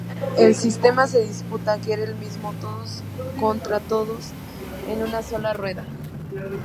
El sistema de disputa era el mismo: todos contra todos a una sola rueda.